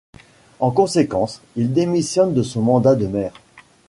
En conséquence, il démissionne de son mandat de maire.